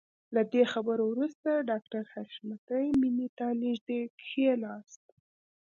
له دې خبرو وروسته ډاکټر حشمتي مينې ته نږدې کښېناست.